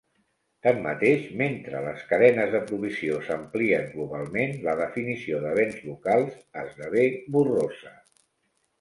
Tanmateix, mentre les cadenes de provisió s'amplien globalment, la definició de bens locals esdevé borrosa.